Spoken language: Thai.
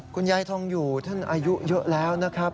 คุณยายทองอยู่ท่านอายุเยอะแล้วนะครับ